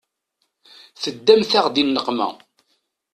Teddamt-aɣ di nneqma.